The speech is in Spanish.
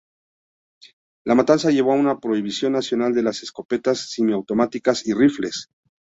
La matanza llevó a una prohibición nacional de las escopetas semiautomáticas y rifles.